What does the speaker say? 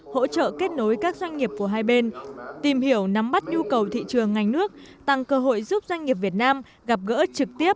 hỗ trợ kết nối các doanh nghiệp của hai bên tìm hiểu nắm bắt nhu cầu thị trường ngành nước tăng cơ hội giúp doanh nghiệp việt nam gặp gỡ trực tiếp